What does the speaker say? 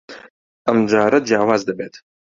ئەم جارە جیاواز دەبێت.